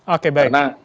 oke baik karena oke baik